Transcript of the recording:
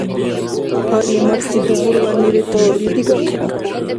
Гьарли-марси дубурланни ветаурли дигахъира.